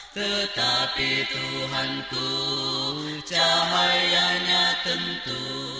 tetapi tuhan ku cahayanya tentu